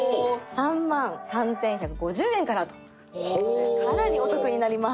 ３万３１５０円からという事でかなりお得になります。